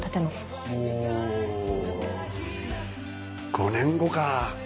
５年後か。